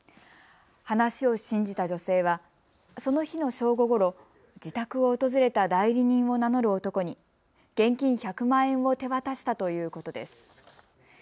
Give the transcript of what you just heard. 話を信じた女性はその日の正午ごろ、自宅を訪れた代理人を名乗る男に現金１００万円を手渡したということです。